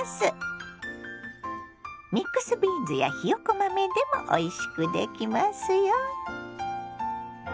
ミックスビーンズやひよこ豆でもおいしくできますよ。